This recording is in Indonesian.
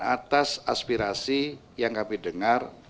atas aspirasi yang kami dengar